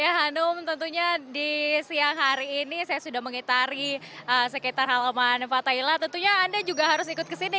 ya hanum tentunya di siang hari ini saya sudah mengitari sekitar halaman fathaila tentunya anda juga harus ikut kesini